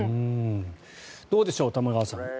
どうでしょう、玉川さん。